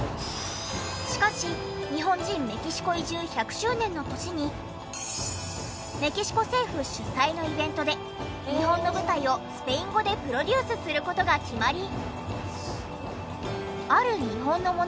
しかし日本人メキシコ移住１００周年の年にメキシコ政府主催のイベントで日本の舞台をスペイン語でプロデュースする事が決まり。